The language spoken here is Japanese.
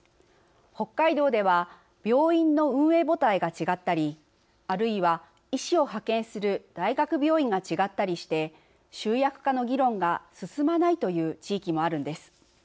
北海道では病院の運営母体が違ったりあるいは、医師を派遣する大学病院が違ったりして集約化の議論が進まないという地域もあるんです。